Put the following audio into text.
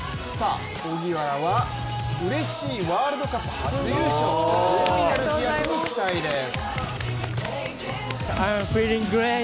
萩原はうれしいワールドカップ初優勝大いなる飛躍に期待です。